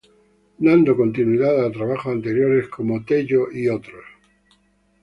Dando continuidad a trabajos anteriores, como Tello "et al".